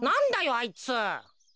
あいつ。